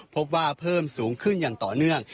พบว่าเพิ่มสูงขึ้นอย่างต่อเนื่อง